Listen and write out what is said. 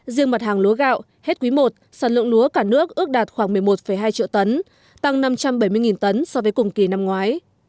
riêng mặt hàng lúa gạo hết quý i sản lượng lúa cả nước ước đạt khoảng một mươi một hai triệu tấn tăng năm trăm bảy mươi tấn so với cùng kỳ năm ngoái